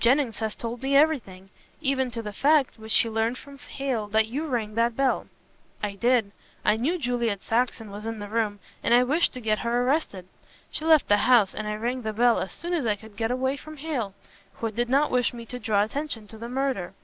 "Jennings has told me everything. Even to the fact, which he learned from Hale that you rang that bell." "I did. I knew Juliet Saxon was in the room, and I wished to get her arrested. She left the house and I rang the bell as soon as I could get away from Hale, who did not wish me to draw attention to the murder.